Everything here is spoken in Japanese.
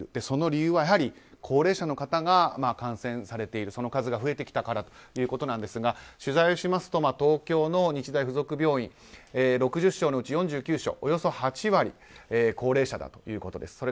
その理由は、高齢者の方が感染されている数が増えてきたからということなんですが取材をしますと東京の日大附属病院６０床のうち４９床およそ８割が高齢者だということです。